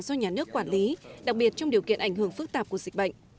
do nhà nước quản lý đặc biệt trong điều kiện ảnh hưởng phức tạp của dịch bệnh